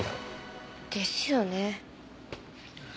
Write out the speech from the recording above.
ですよね。